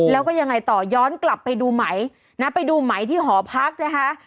แล้วก็ยังไงต่อย้อนกลับไปดูไหมนะไปดูไหมที่หอพักนะคะ